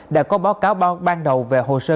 đã có báo cáo ban đầu về hồ sơ